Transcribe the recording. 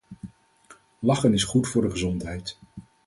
Lachen is goed voor de gezondheid